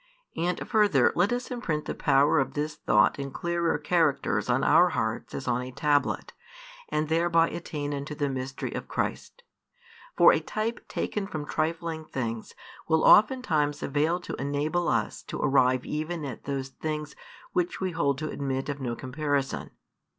And, further, let us imprint the power of this thought in clearer characters on our hearts as on a tablet, and thereby attain unto the mystery of Christ. For a type taken from trifling things will oftentimes avail to enable us to arrive even at those things which we hold to admit of no comparison.